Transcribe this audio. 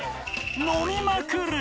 ［飲みまくる！］